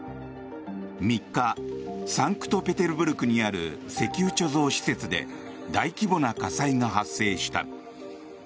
３日、サンクトペテルブルクにある石油貯蔵施設で大規模な火災が発生した。